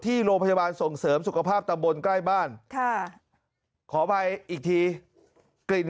โรงพยาบาลส่งเสริมสุขภาพตำบลใกล้บ้านค่ะขออภัยอีกทีกลิ่น